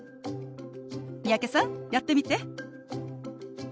三宅さんやってみて。